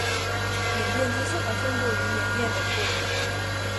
缅甸金丝猴分布于缅甸北部。